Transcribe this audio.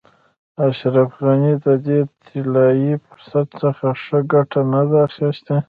اشرف غني د دې طلایي فرصت څخه ښه ګټه نه ده اخیستې.